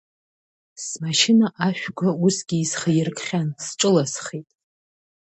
Смашьына ашәқәа усгьы исхеиркхьан, сҿыласхеит…